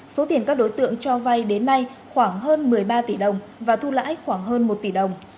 số tiền các đối tượng cho vay đến nay khoảng hơn một mươi ba tỷ đồng và thu lãi khoảng hơn một tỷ đồng